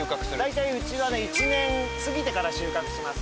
大体うちはね１年過ぎてから収穫します